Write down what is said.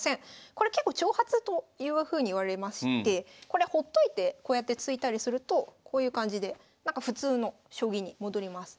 これ結構挑発というふうにいわれましてこれほっといてこうやって突いたりするとこういう感じで普通の将棋に戻ります。